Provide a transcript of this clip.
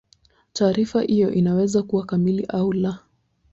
Taarifa hiyo inaweza kuwa kamili au la.